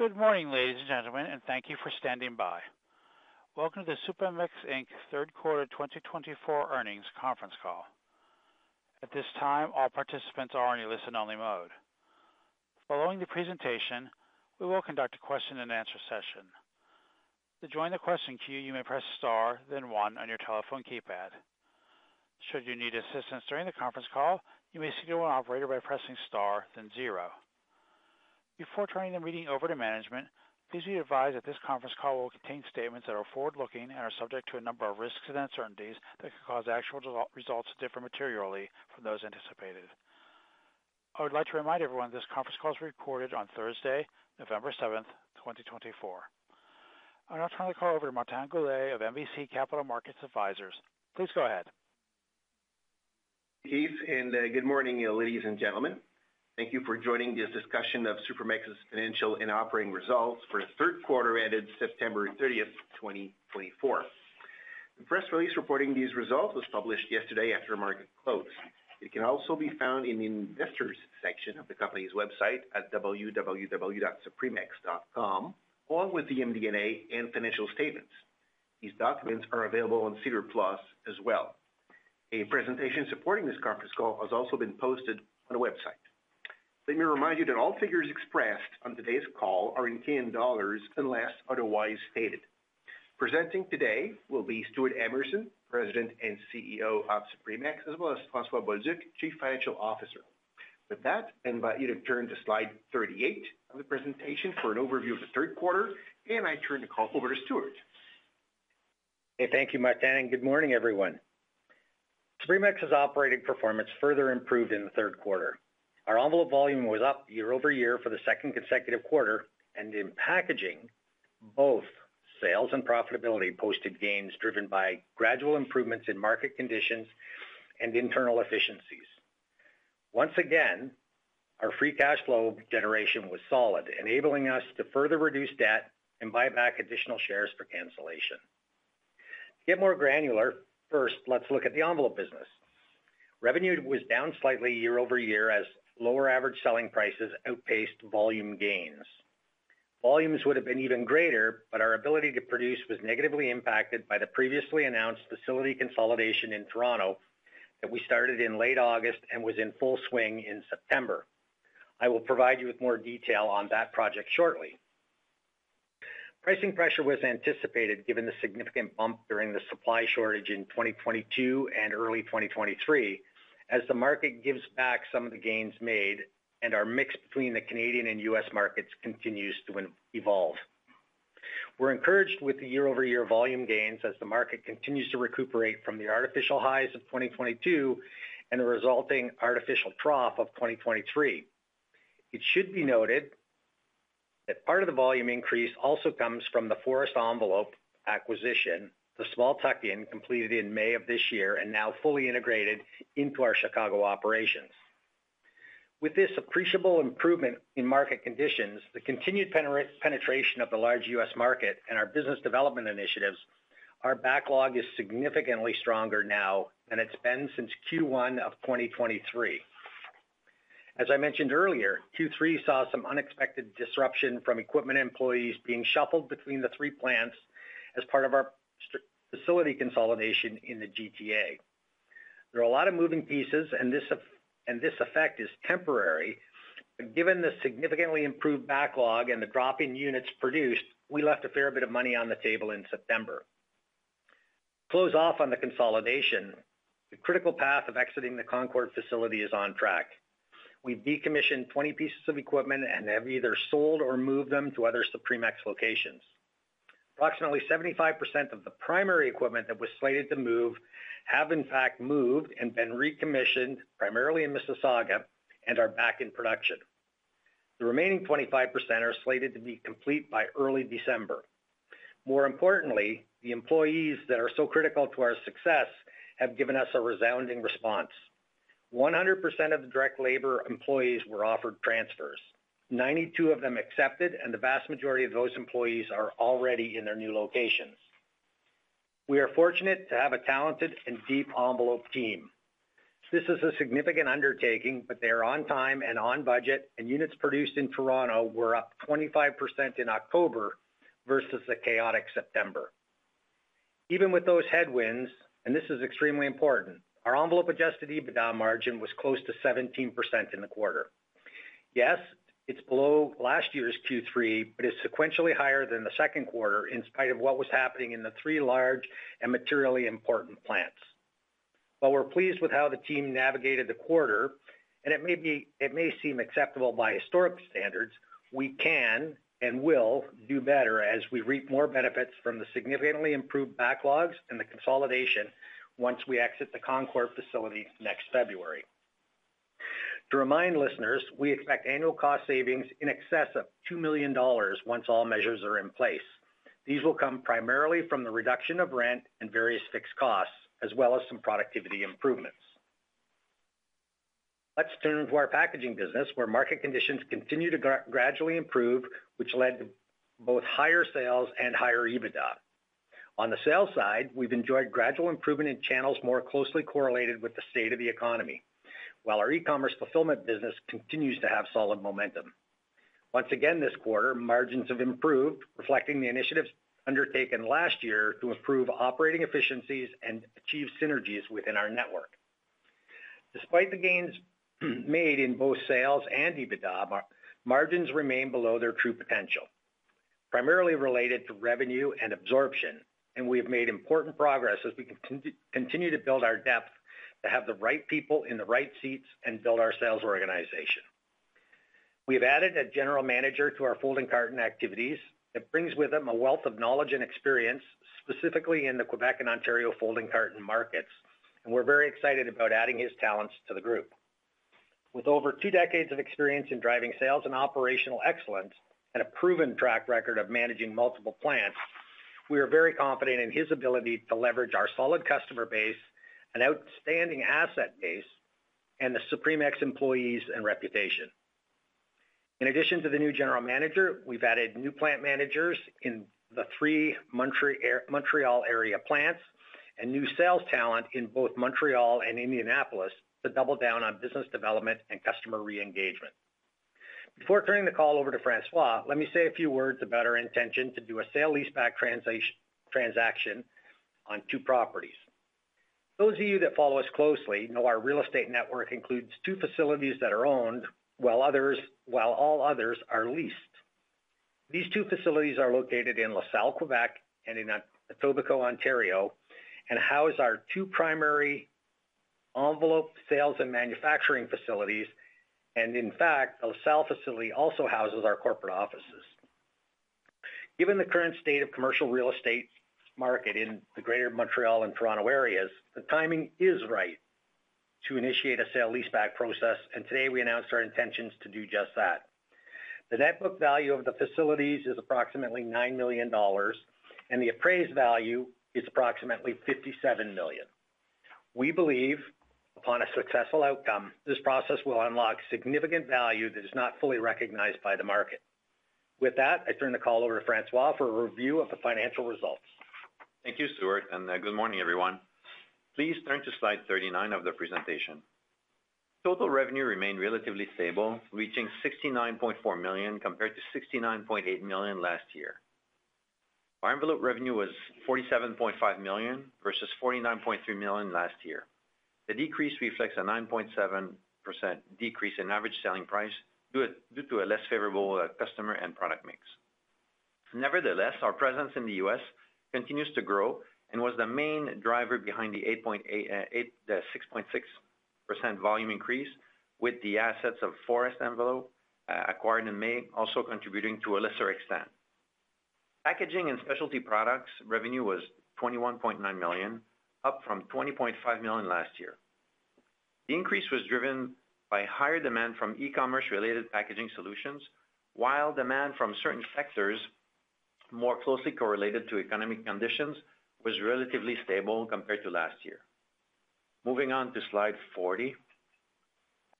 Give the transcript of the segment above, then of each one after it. Good morning, ladies and gentlemen, and thank you for standing by. Welcome to the Supremex Inc. Third Quarter 2024 earnings conference call. At this time, all participants are in your listen-only mode. Following the presentation, we will conduct a question-and-answer session. To join the question queue, you may press star, then one, on your telephone keypad. Should you need assistance during the conference call, you may speak to an operator by pressing star, then zero. Before turning the meeting over to management, please be advised that this conference call will contain statements that are forward-looking and are subject to a number of risks and uncertainties that could cause actual results to differ materially from those anticipated. I would like to remind everyone that this conference call is recorded on Thursday, November 7th, 2024. I'll now turn the call over to Martin Goulet of MBC Capital Markets Advisors. Please go ahead. Hello, and good morning, ladies and gentlemen. Thank you for joining this discussion of Supremex's financial and operating results for the third quarter ended September 30th, 2024. The press release reporting these results was published yesterday after the market closed. It can also be found in the investors' section of the company's website at www.supremex.com, along with the MD&A and financial statements. These documents are available on SEDAR+ as well. A presentation supporting this conference call has also been posted on the website. Let me remind you that all figures expressed on today's call are in Canadian dollars unless otherwise stated. Presenting today will be Stewart Emerson, President and CEO of Supremex, as well as François Bolduc, Chief Financial Officer. With that, I invite you to turn to slide 38 of the presentation for an overview of the third quarter, and I turn the call over to Stewart. Hey, thank you, Martin. Good morning, everyone. Supremex's operating performance further improved in the third quarter. Our envelope volume was up year-over-year for the second consecutive quarter, and in packaging, both sales and profitability posted gains driven by gradual improvements in market conditions and internal efficiencies. Once again, our free cash flow generation was solid, enabling us to further reduce debt and buy back additional shares for cancellation. To get more granular, first, let's look at the envelope business. Revenue was down slightly year-over-year as lower average selling prices outpaced volume gains. Volumes would have been even greater, but our ability to produce was negatively impacted by the previously announced facility consolidation in Toronto that we started in late August and was in full swing in September. I will provide you with more detail on that project shortly. Pricing pressure was anticipated given the significant bump during the supply shortage in 2022 and early 2023, as the market gives back some of the gains made and our mix between the Canadian and U.S. markets continues to evolve. We're encouraged with the year-over-year volume gains as the market continues to recuperate from the artificial highs of 2022 and the resulting artificial trough of 2023. It should be noted that part of the volume increase also comes from the Forest Envelope acquisition, the small tuck-in completed in May of this year and now fully integrated into our Chicago operations. With this appreciable improvement in market conditions, the continued penetration of the large U.S. market and our business development initiatives, our backlog is significantly stronger now than it's been since Q1 of 2023. As I mentioned earlier, Q3 saw some unexpected disruption from equipment employees being shuffled between the three plants as part of our facility consolidation in the GTA. There are a lot of moving pieces, and this effect is temporary. But given the significantly improved backlog and the drop in units produced, we left a fair bit of money on the table in September. To close off on the consolidation, the critical path of exiting the Concord facility is on track. We've decommissioned 20 pieces of equipment and have either sold or moved them to other Supremex locations. Approximately 75% of the primary equipment that was slated to move have, in fact, moved and been recommissioned primarily in Mississauga and are back in production. The remaining 25% are slated to be complete by early December. More importantly, the employees that are so critical to our success have given us a resounding response. 100% of the direct labor employees were offered transfers. 92 of them accepted, and the vast majority of those employees are already in their new locations. We are fortunate to have a talented and deep envelope team. This is a significant undertaking, but they are on time and on budget, and units produced in Toronto were up 25% in October versus the chaotic September. Even with those headwinds, and this is extremely important, our envelope Adjusted EBITDA margin was close to 17% in the quarter. Yes, it's below last year's Q3, but it's sequentially higher than the second quarter in spite of what was happening in the three large and materially important plants. While we're pleased with how the team navigated the quarter, and it may seem acceptable by historic standards, we can and will do better as we reap more benefits from the significantly improved backlogs and the consolidation once we exit the Concord facility next February. To remind listeners, we expect annual cost savings in excess of 2 million dollars once all measures are in place. These will come primarily from the reduction of rent and various fixed costs, as well as some productivity improvements. Let's turn to our packaging business, where market conditions continue to gradually improve, which led to both higher sales and higher EBITDA. On the sales side, we've enjoyed gradual improvement in channels more closely correlated with the state of the economy, while our e-commerce fulfillment business continues to have solid momentum. Once again this quarter, margins have improved, reflecting the initiatives undertaken last year to improve operating efficiencies and achieve synergies within our network. Despite the gains made in both sales and EBITDA, margins remain below their true potential, primarily related to revenue and absorption, and we have made important progress as we continue to build our depth to have the right people in the right seats and build our sales organization. We have added a general manager to our folding carton activities that brings with him a wealth of knowledge and experience, specifically in the Quebec and Ontario folding carton markets, and we're very excited about adding his talents to the group. With over two decades of experience in driving sales and operational excellence and a proven track record of managing multiple plants, we are very confident in his ability to leverage our solid customer base, an outstanding asset base, and the Supremex employees and reputation. In addition to the new general manager, we've added new plant managers in the three Montreal area plants and new sales talent in both Montreal and Indianapolis to double down on business development and customer re-engagement. Before turning the call over to François, let me say a few words about our intention to do a sale lease-back transaction on two properties. Those of you that follow us closely know our real estate network includes two facilities that are owned, while all others are leased. These two facilities are located in LaSalle, Quebec, and in Etobicoke, Ontario, and house our two primary envelope sales and manufacturing facilities, and in fact, the LaSalle facility also houses our corporate offices. Given the current state of commercial real estate market in the greater Montreal and Toronto areas, the timing is right to initiate a sale lease-back process, and today we announced our intentions to do just that. The net book value of the facilities is approximately 9 million dollars, and the appraised value is approximately 57 million. We believe, upon a successful outcome, this process will unlock significant value that is not fully recognized by the market. With that, I turn the call over to François for a review of the financial results. Thank you, Stewart, and good morning, everyone. Please turn to slide 39 of the presentation. Total revenue remained relatively stable, reaching 69.4 million compared to 69.8 million last year. Our envelope revenue was 47.5 million versus 49.3 million last year. The decrease reflects a 9.7% decrease in average selling price due to a less favorable customer and product mix. Nevertheless, our presence in the U.S. continues to grow and was the main driver behind the 6.6% volume increase, with the assets of Forest Envelope acquired in May also contributing to a lesser extent. Packaging and specialty products revenue was 21.9 million, up from 20.5 million last year. The increase was driven by higher demand from e-commerce-related packaging solutions, while demand from certain sectors, more closely correlated to economic conditions, was relatively stable compared to last year. Moving on to slide 40,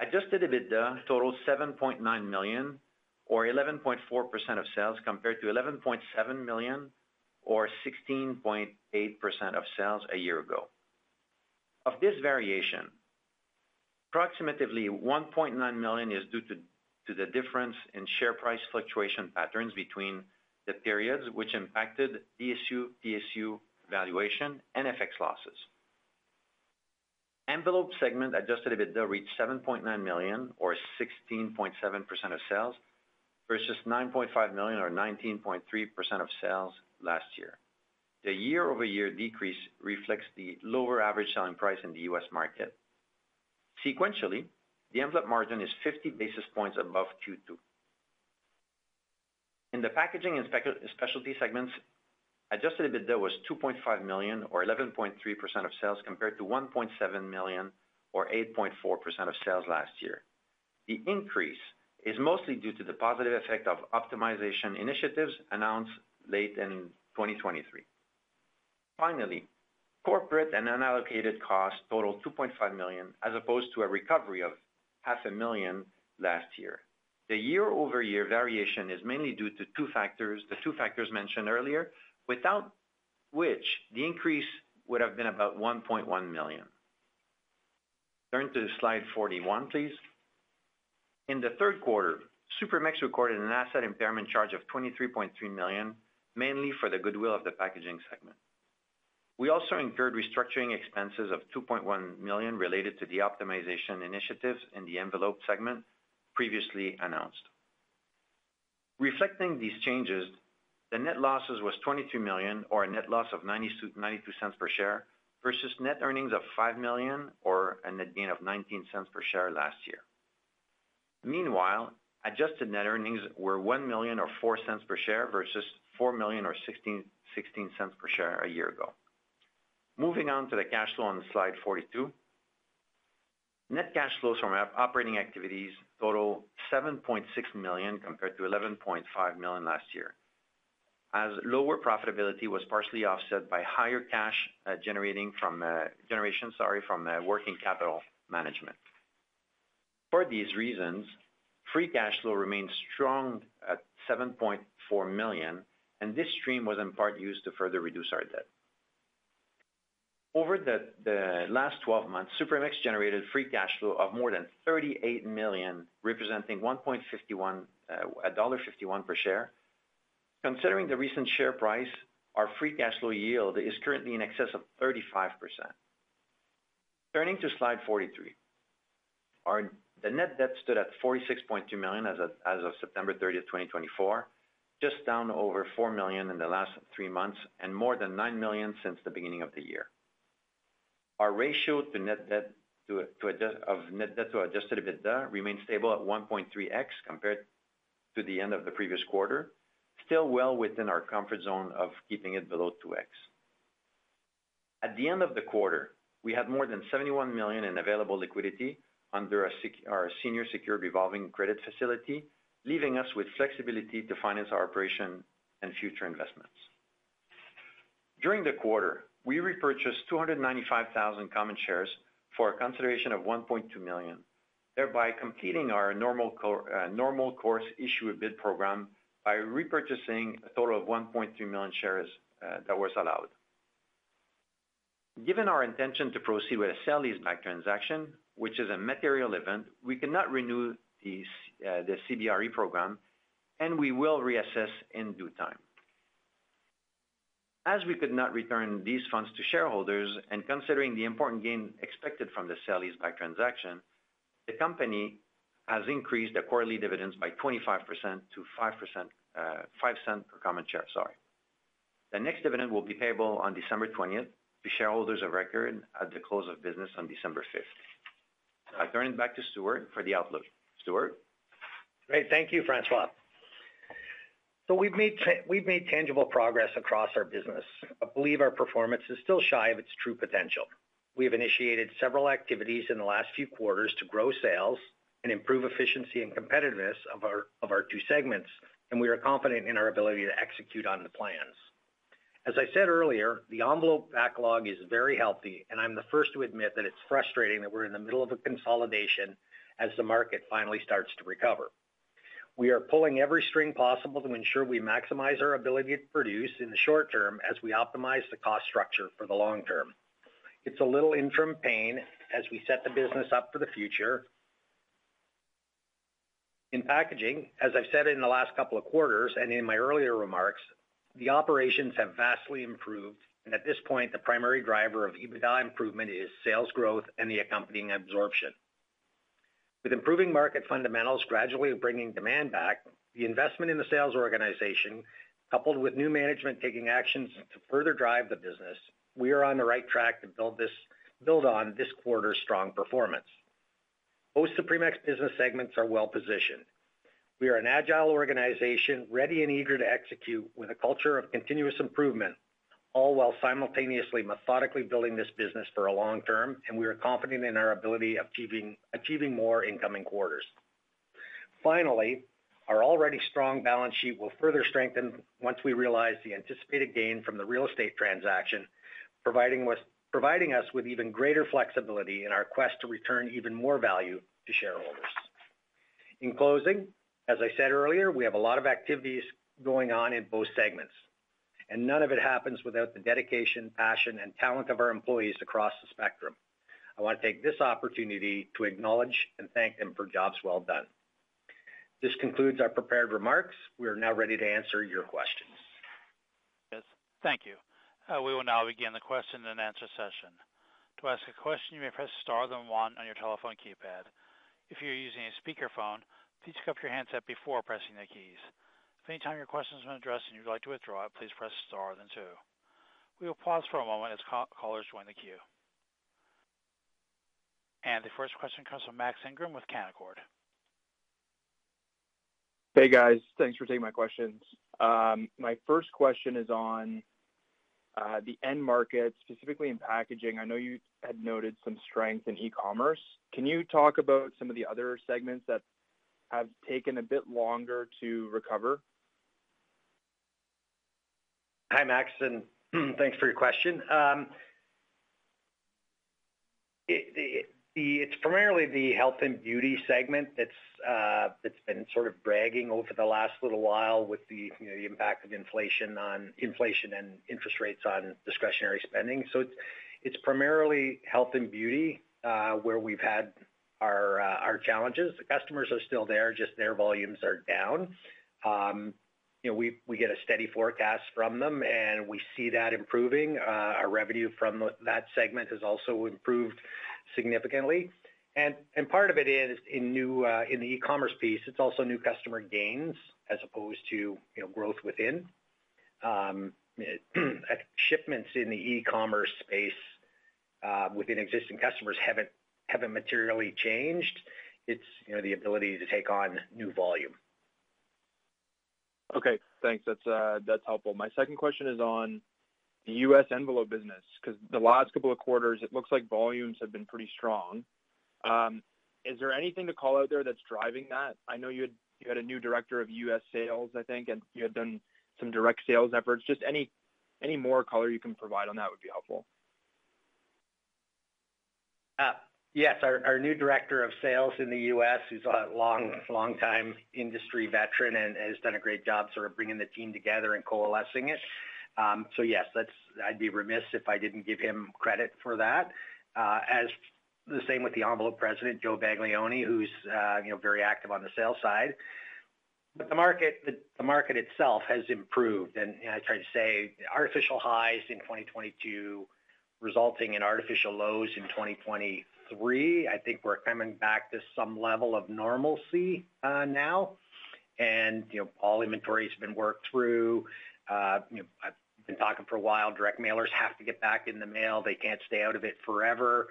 Adjusted EBITDA totaled 7.9 million, or 11.4% of sales, compared to 11.7 million, or 16.8% of sales a year ago. Of this variation, approximately 1.9 million is due to the difference in share price fluctuation patterns between the periods, which impacted DSU, DSU valuation, and FX losses. Envelope segment Adjusted EBITDA reached 7.9 million, or 16.7% of sales, versus 9.5 million, or 19.3% of sales last year. The year-over-year decrease reflects the lower average selling price in the U.S. market. Sequentially, the envelope margin is 50 basis points above Q2. In the packaging and specialty segments, Adjusted EBITDA was 2.5 million, or 11.3% of sales, compared to 1.7 million, or 8.4% of sales last year. The increase is mostly due to the positive effect of optimization initiatives announced late in 2023. Finally, corporate and unallocated costs totaled 2.5 million, as opposed to a recovery of 500,000 last year. The year-over-year variation is mainly due to the two factors mentioned earlier, without which the increase would have been about 1.1 million. Turn to slide 41, please. In the third quarter, Supremex recorded an asset impairment charge of 23.3 million, mainly for the goodwill of the packaging segment. We also incurred restructuring expenses of 2.1 million related to the optimization initiatives in the envelope segment previously announced. Reflecting these changes, the net losses were 22 million, or a net loss of 0.92 per share, versus net earnings of 5 million, or a net gain of 0.19 per share last year. Meanwhile, adjusted net earnings were 1 million, or 0.04 per share, versus 4 million, or 0.16 per share a year ago. Moving on to the cash flow on slide 42, net cash flows from operating activities totaled 7.6 million compared to 11.5 million last year, as lower profitability was partially offset by higher cash generation from working capital management. For these reasons, free cash flow remained strong at 7.4 million, and this stream was in part used to further reduce our debt. Over the last 12 months, Supremex generated free cash flow of more than 38 million, representing 1.51 dollar per share. Considering the recent share price, our free cash flow yield is currently in excess of 35%. Turning to slide 43, the net debt stood at 46.2 million as of September 30, 2024, just down over 4 million in the last three months and more than 9 million since the beginning of the year. Our ratio to net debt of net debt to Adjusted EBITDA remained stable at 1.3x compared to the end of the previous quarter, still well within our comfort zone of keeping it below 2x. At the end of the quarter, we had more than 71 million in available liquidity under our senior secured revolving credit facility, leaving us with flexibility to finance our operation and future investments. During the quarter, we repurchased 295,000 common shares for a consideration of 1.2 million, thereby completing our Normal Course Issuer Bid program by repurchasing a total of 1.3 million shares that was allowed. Given our intention to proceed with a sale leaseback transaction, which is a material event, we could not renew the NCIB program, and we will reassess in due time. As we could not return these funds to shareholders and considering the important gain expected from the sale lease-back transaction, the company has increased the quarterly dividends by 25% to 0.05 per common share. The next dividend will be payable on December 20 to shareholders of record at the close of business on December 5. I turn it back to Stewart for the outlook. Stewart. Great. Thank you, François. So we've made tangible progress across our business. I believe our performance is still shy of its true potential. We have initiated several activities in the last few quarters to grow sales and improve efficiency and competitiveness of our two segments, and we are confident in our ability to execute on the plans. As I said earlier, the envelope backlog is very healthy, and I'm the first to admit that it's frustrating that we're in the middle of a consolidation as the market finally starts to recover. We are pulling every string possible to ensure we maximize our ability to produce in the short term as we optimize the cost structure for the long term. It's a little interim pain as we set the business up for the future. In packaging, as I've said in the last couple of quarters and in my earlier remarks, the operations have vastly improved, and at this point, the primary driver of EBITDA improvement is sales growth and the accompanying absorption. With improving market fundamentals gradually bringing demand back, the investment in the sales organization, coupled with new management taking actions to further drive the business, we are on the right track to build on this quarter's strong performance. Both Supremex business segments are well positioned. We are an agile organization, ready and eager to execute with a culture of continuous improvement, all while simultaneously methodically building this business for a long term, and we are confident in our ability of achieving more in coming quarters. Finally, our already strong balance sheet will further strengthen once we realize the anticipated gain from the real estate transaction, providing us with even greater flexibility in our quest to return even more value to shareholders. In closing, as I said earlier, we have a lot of activities going on in both segments, and none of it happens without the dedication, passion, and talent of our employees across the spectrum. I want to take this opportunity to acknowledge and thank them for jobs well done. This concludes our prepared remarks. We are now ready to answer your questions. Yes. Thank you. We will now begin the question-and-answer session. To ask a question, you may press star then one on your telephone keypad. If you're using a speakerphone, please hook up your handset before pressing the keys. If any time your question has been addressed and you'd like to withdraw it, please press star then two. We will pause for a moment as callers join the queue. And the first question comes from Max Ingram with Canaccord. Hey, guys. Thanks for taking my questions. My first question is on the end market, specifically in packaging. I know you had noted some strength in e-commerce. Can you talk about some of the other segments that have taken a bit longer to recover? Hi, Max, and thanks for your question. It's primarily the health and beauty segment that's been sort of lagging over the last little while with the impact of inflation and interest rates on discretionary spending, so it's primarily health and beauty where we've had our challenges. The customers are still there, just their volumes are down. We get a steady forecast from them, and we see that improving. Our revenue from that segment has also improved significantly, and part of it is in the e-commerce piece. It's also new customer gains as opposed to growth within. Shipments in the e-commerce space within existing customers haven't materially changed. It's the ability to take on new volume. Okay. Thanks. That's helpful. My second question is on the U.S. envelope business because the last couple of quarters, it looks like volumes have been pretty strong. Is there anything to call out there that's driving that? I know you had a new director of U.S. sales, I think, and you had done some direct sales efforts. Just any more color you can provide on that would be helpful. Yes. Our new director of sales in the U.S., who's a long-time industry veteran and has done a great job sort of bringing the team together and coalescing it. So yes, I'd be remiss if I didn't give him credit for that. The same with the envelope president, Joe Baglione, who's very active on the sales side. But the market itself has improved. And I tried to say artificial highs in 2022 resulting in artificial lows in 2023. I think we're coming back to some level of normalcy now. And all inventories have been worked through. I've been talking for a while. Direct mailers have to get back in the mail. They can't stay out of it forever.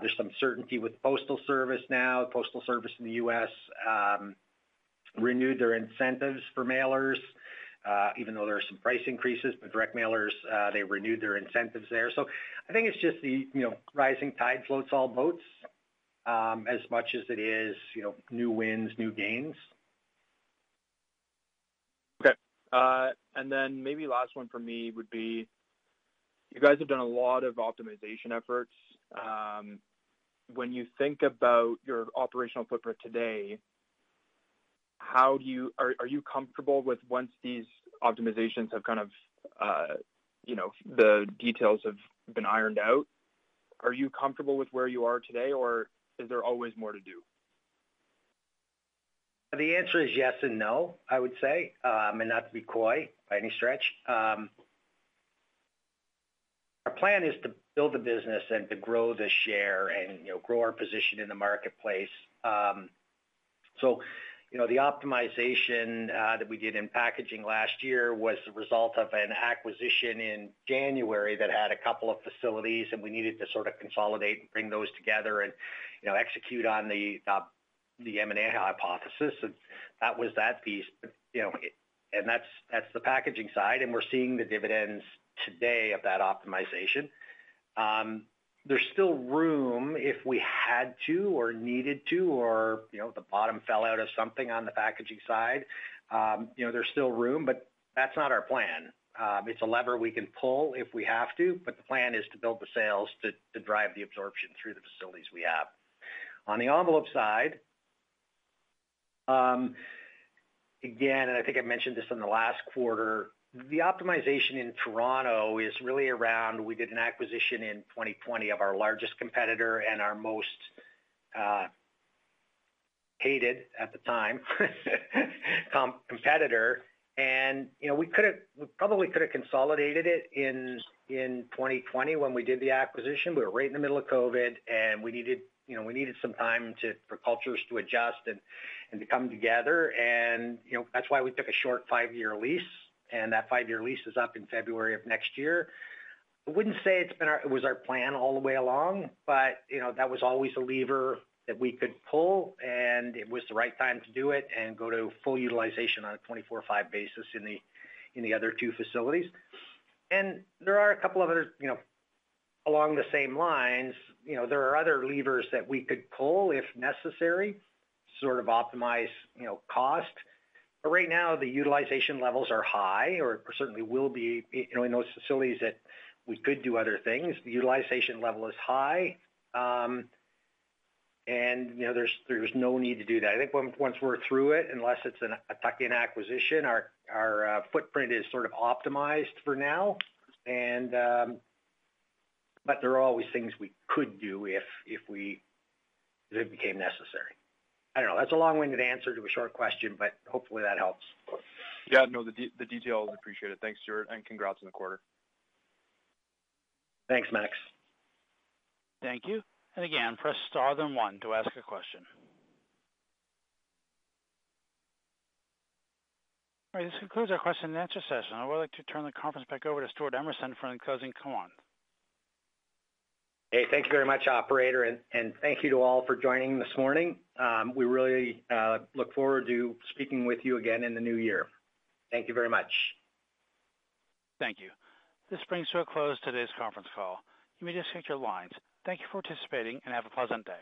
There's some certainty with Postal Service now. Postal Service in the U.S. renewed their incentives for mailers, even though there are some price increases, but direct mailers, they renewed their incentives there. So I think it's just the rising tide floats all boats as much as it is new wins, new gains. Okay. And then maybe last one for me would be, you guys have done a lot of optimization efforts. When you think about your operational footprint today, are you comfortable with once these optimizations have kind of the details have been ironed out, are you comfortable with where you are today, or is there always more to do? The answer is yes and no, I would say, and not to be coy by any stretch. Our plan is to build the business and to grow the share and grow our position in the marketplace. So the optimization that we did in packaging last year was the result of an acquisition in January that had a couple of facilities, and we needed to sort of consolidate and bring those together and execute on the M&A hypothesis. That was that piece. And that's the packaging side, and we're seeing the dividends today of that optimization. There's still room if we had to or needed to or the bottom fell out of something on the packaging side. There's still room, but that's not our plan. It's a lever we can pull if we have to, but the plan is to build the sales to drive the absorption through the facilities we have. On the envelope side, again, and I think I mentioned this in the last quarter, the optimization in Toronto is really around we did an acquisition in 2020 of our largest competitor and our most hated at the time competitor, and we probably could have consolidated it in 2020 when we did the acquisition. We were right in the middle of COVID, and we needed some time for cultures to adjust and to come together, and that's why we took a short five-year lease, and that five-year lease is up in February of next year. I wouldn't say it was our plan all the way along, but that was always a lever that we could pull, and it was the right time to do it and go to full utilization on a 24/5 basis in the other two facilities. And there are a couple of other along the same lines, there are other levers that we could pull if necessary to sort of optimize cost. But right now, the utilization levels are high, or certainly will be in those facilities that we could do other things. The utilization level is high, and there's no need to do that. I think once we're through it, unless it's a tuck-in acquisition, our footprint is sort of optimized for now. But there are always things we could do if it became necessary. I don't know. That's a long-winded answer to a short question, but hopefully that helps. Yeah. No, the details appreciated. Thanks, Stewart, and congrats on the quarter. Thanks, Max. Thank you. And again, press star then one to ask a question. All right. This concludes our question-and-answer session. I would like to turn the conference back over to Stewart Emerson for the closing comments. Hey, thank you very much, operator, and thank you to all for joining this morning. We really look forward to speaking with you again in the new year. Thank you very much. Thank you. This brings to a close today's conference call. You may just hit your lines. Thank you for participating and have a pleasant day.